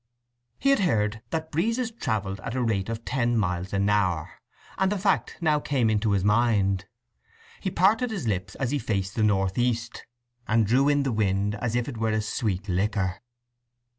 He had heard that breezes travelled at the rate of ten miles an hour, and the fact now came into his mind. He parted his lips as he faced the north east, and drew in the wind as if it were a sweet liquor.